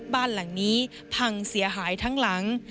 บ้านหลังนี้พังเสียหายทั้งหลัง